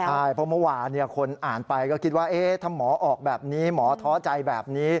ใช่เพราะเมื่อวานคนอ่านไปก็คิดว่าถ้าหมอออกแบบนี้หมอท้อใจแบบนี้